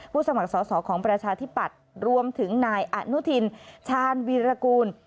ผู้สมัครสอบของประชาธิบัติรวมถึงนายอาณุธินชาญวิรกูล